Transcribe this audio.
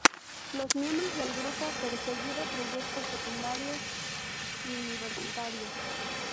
Los miembros del grupo perseguido proyectos secundarios y universitarios.